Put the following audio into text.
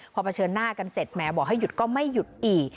พอเผชิญหน้ากันเสร็จแหมบอกให้หยุดก็ไม่หยุดอีก